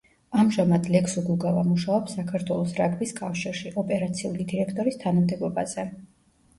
ამჟამად ლექსო გუგავა მუშაობს საქართველოს რაგბის კავშირში, ოპერაციული დირექტორის თანამდებობაზე.